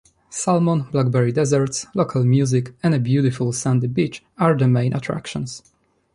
Salmon, blackberry deserts, local music, and a beautiful sandy beach are the main attractions.